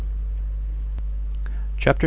CHAPTER 9.